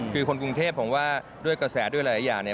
คือคนกรุงเทพผมว่าด้วยกระแสด้วยหลายอย่างเนี่ย